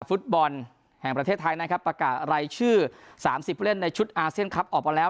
ฟุตบอลแห่งประเทศไทยนะครับประกาศรายชื่อ๓๐ผู้เล่นในชุดอาเซียนคลับออกมาแล้ว